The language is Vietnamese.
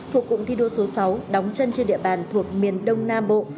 thuộc cụm thi đua số sáu đóng chân trên địa bàn thuộc miền đông nam bộ